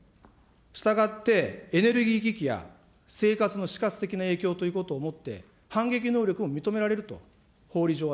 したがって、エネルギー危機や生活の死活的な影響ということをもって、反撃能力を認められると、法理上は。